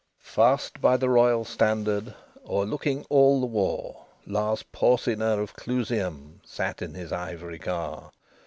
XXIV Fast by the royal standard, O'erlooking all the war, Lars Porsena of Clusium Sat in his ivory car.